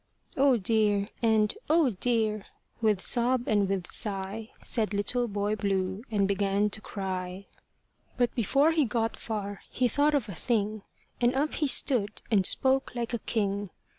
"Oh dear! and oh dear!" with sob and with sigh, Said Little Boy Blue, and began to cry. But before he got far, he thought of a thing; And up he stood, and spoke like a king.